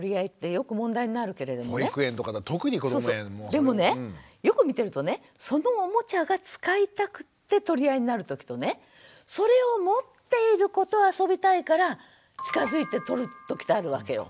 でもねよく見てるとねそのおもちゃが使いたくて取り合いになるときとねそれを持っている子と遊びたいから近づいて取るときってあるわけよ。